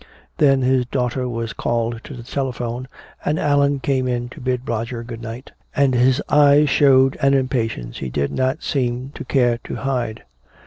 Then his daughter was called to the telephone, and Allan came in to bid Roger good night. And his eyes showed an impatience he did not seem to care to hide.